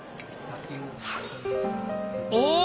お！